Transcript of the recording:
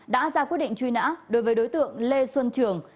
đã ra quyết định truy nã đối với đối tượng lê xuân trường